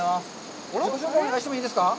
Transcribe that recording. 自己紹介をお願いしてもいいですか。